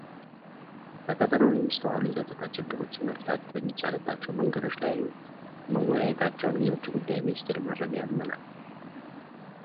በቀጣናው የሚስተዋሉ የጸጥታ ችግሮችን መፍታት በሚቻልባቸው መንገዶች ላይ መወያየታቸውንም የውጭ ጉዳይ ሚኒስቴር መረጃ ያመላክታል፡፡